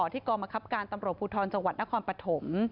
ที่กองบังคับการตำรวจภูทรจังหวัดนครปฐม